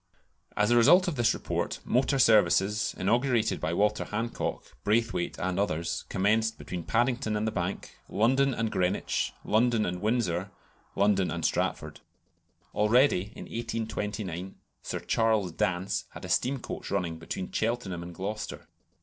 As a result of this report, motor services, inaugurated by Walter Hancock, Braithwayte, and others, commenced between Paddington and the Bank, London and Greenwich, London and Windsor, London and Stratford. Already, in 1829, Sir Charles Dance had a steam coach running between Cheltenham and Gloucester.